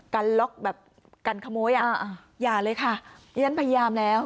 กันล็อกแบบกันขโมยอ่ะอย่าเลยค่ะดิฉันพยายามแล้ว